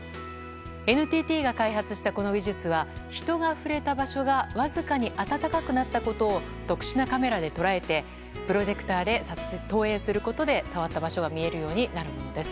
ＮＴＴが開発したこの技術は人が触れた場所がわずかに温かくなったことを特殊なカメラで捉えてプロジェクターで投影することで触った場所が見えるようになるものです。